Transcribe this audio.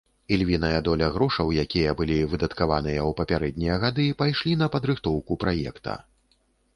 Ільвіная доля грошаў, якія былі выдаткаваныя ў папярэднія гады пайшлі на падрыхтоўку праекта.